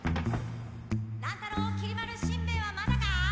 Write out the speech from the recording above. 乱太郎きり丸しんべヱはまだか？